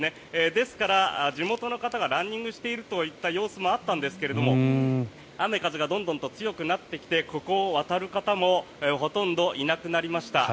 ですから、地元の方がランニングしているといった様子もあったんですが雨風がどんどんと強くなってきてここを渡る方もほとんどいなくなりました。